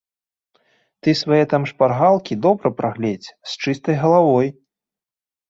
Ты свае там шпаргалкі добра прагледзь, з чыстай галавой!